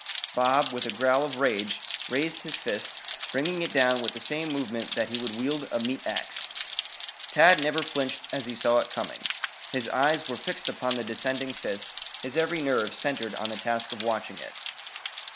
Bob, with a growl of rage, raised his fist, bringing it down with the same movement that he would wield a meat axe. Tad never flinched as he saw it coming. His eyes were fixed upon the descending fist, his every nerve centered on the task of watching it.